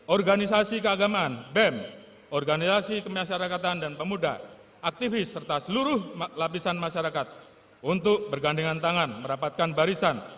organisasi keagamaan bem organisasi kemasyarakatan dan pemuda aktivis serta seluruh lapisan masyarakat untuk bergandengan tangan merapatkan barisan